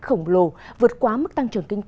không thể tăng hơn